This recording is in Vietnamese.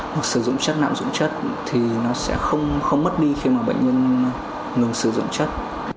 hoặc sử dụng chất nạm dưỡng chất thì nó sẽ không mất đi khi mà bệnh nhân ngừng sử dụng chất